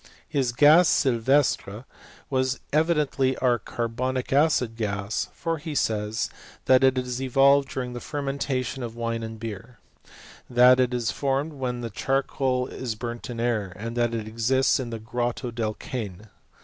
His gas sylvestre was evidently*, our carbonic acid gas, for he says, that it is evolvedf during the fermentation of wine and beer; that it flp formed when charcoal is burnt in air ; and that it exiate in the Grotto del Cane.